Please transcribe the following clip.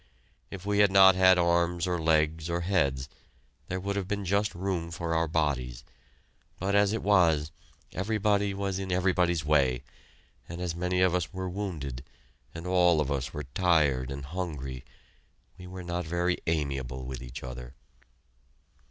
If we had not had arms or legs or heads, there would have been just room for our bodies, but as it was, everybody was in everybody's way, and as many of us were wounded, and all of us were tired and hungry, we were not very amiable with each other.